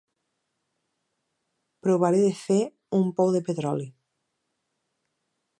Provaré de fer un pou de petroli.